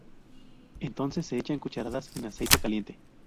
Entonces se echan cucharadas en aceite caliente.